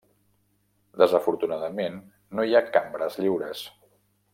Desafortunadament no hi ha cambres lliures.